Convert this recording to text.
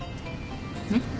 ねっ？